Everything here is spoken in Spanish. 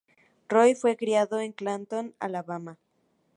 Roy fue criado en Clanton, Alabama.